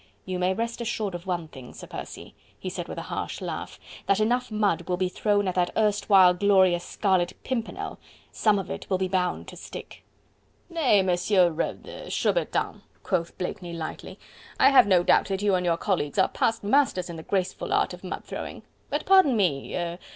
"You may rest assured of one thing, Sir Percy," he said with a harsh laugh, "that enough mud will be thrown at that erstwhile glorious Scarlet Pimpernel... some of it will be bound to stick..." "Nay, Monsieur... er... Chaubertin," quoth Blakeney lightly, "I have no doubt that you and your colleagues are past masters in the graceful art of mud throwing.... But pardon me... er....